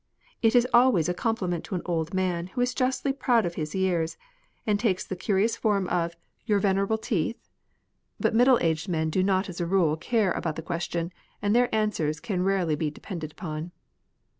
It is always a compliment to an old man, who is justly proud of his years, and takes the curious form of 1 8 ETIQUETTE. ''your venerable teeth?" but middle aged men do not as a rule care about the question, and their answers can rarely be depended upon.